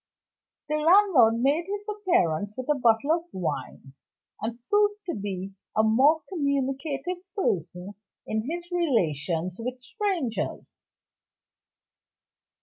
The landlord made his appearance with a bottle of wine and proved to be a more communicative person in his relations with strangers.